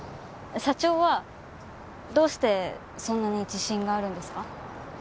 社長はどうしてそんなに自信があるんですか？